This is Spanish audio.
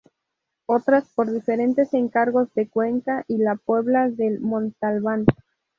Otras por diferentes encargos de Cuenca y La Puebla de Montalbán.